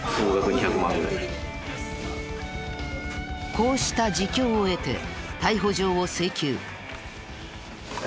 こうした自供を得て逮捕状を請求。